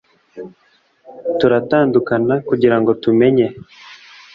turatandukana, kugirango tumenye.